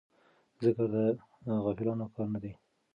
ذکر د غافلانو کار نه دی.